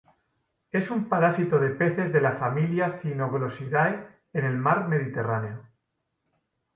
Es un parásito de peces de la familia Cynoglossidae, en el mar Mediterráneo.